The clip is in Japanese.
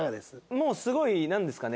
もうすごいなんですかね